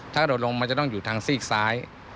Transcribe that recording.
ถ้าโดดลงมันจะต้องอยู่ทางซีกซ้าย